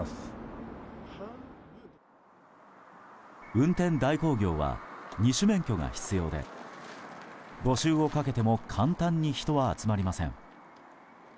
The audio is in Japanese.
運転代行業は２種免許が必要で募集をかけても簡単に人は集まりません。